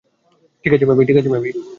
ঠিক আছে, মেবি।